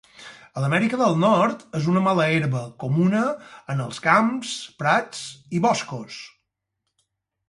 A l'Amèrica del Nord és una mala herba comuna en els camps, prats i boscos.